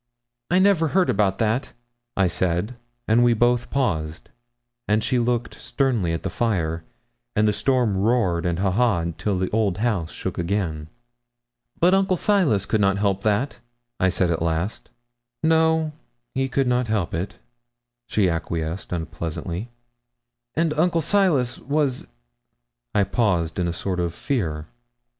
'I never heard about that,' I said; and we both paused, and she looked sternly at the fire, and the storm roared and ha ha ed till the old house shook again. 'But Uncle Silas could not help that,' I said at last. 'No, he could not help it,' she acquiesced unpleasantly. 'And Uncle Silas was' I paused in a sort of fear.